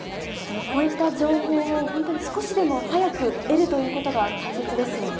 こういった情報を本当に少しでも早く得るということが大切ですよね。